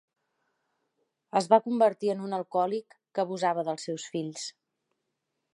Es va convertir en un alcohòlic que abusava dels seus fills.